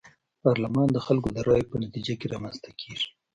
پارلمان د خلکو د رايو په نتيجه کي رامنځته کيږي.